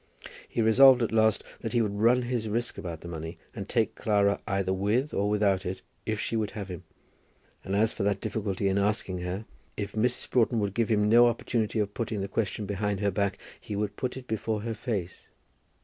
He resolved, at last, that he would run his risk about the money, and take Clara either with or without it, if she would have him. And as for that difficulty in asking her, if Mrs. Broughton would give him no opportunity of putting the question behind her back, he would put it before her face.